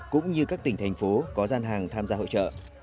cũng như các tỉnh thành phố có gian hàng tham gia hội trợ